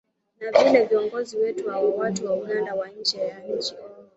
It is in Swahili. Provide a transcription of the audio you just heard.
na vile viongozi wetu wa wa watu wa uganda wa nje ya nchi oo